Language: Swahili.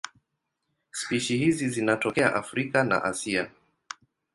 Spishi hizi zinatokea Afrika na Asia.